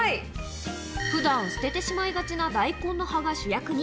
ふだん、捨ててしまいがちな大根の葉が主役に。